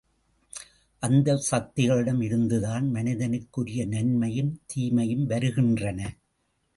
அந்தச் சக்திகளிடம் இருந்துதான் மனிதனுக்குரிய நன்மையும் தீமையும் வருகின்றன.